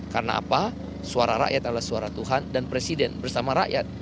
karena apa suara rakyat adalah suara tuhan dan presiden bersama rakyat